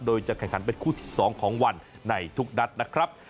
โดยจะแข่งขันเป็นคู่ที่๒ของวันในทุกนัดนะครับ